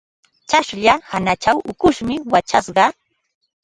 Tsaqlla hanachaw ukushmi wachashqa.